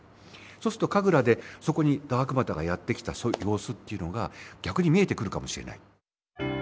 そうするとＫＡＧＲＡでそこにダークマターがやって来たそういう様子っていうのが逆に見えてくるかもしれない。